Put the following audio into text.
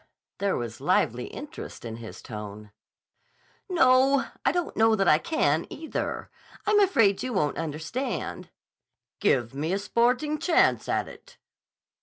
There was lively interest in his tone. "No, I don't know that I can, either. I'm afraid you won't understand." "Give me a sporting chance at it."